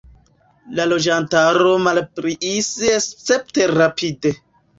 La loĝantaro malpliis escepte rapide.